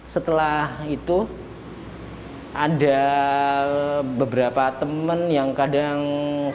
setelah itu ada beberapa teman yang kadang